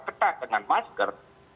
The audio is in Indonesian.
ketat dengan masker